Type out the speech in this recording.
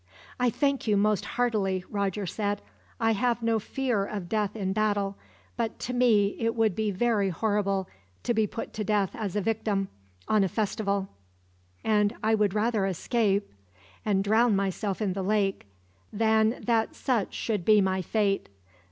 "I thank you most heartily," Roger said. "I have no fear of death in battle, but to me it would be very horrible to be put to death as a victim, on a festival; and I would rather escape and drown myself in the lake, than that such should be my fate.